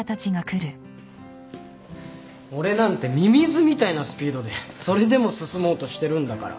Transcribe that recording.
俺なんてミミズみたいなスピードでそれでも進もうとしてるんだから。